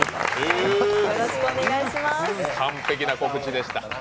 完璧な告知でした。